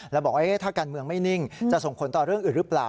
แล้วบอกว่าถ้าการเมืองไม่นิ่งจะส่งผลต่อเรื่องอื่นหรือเปล่า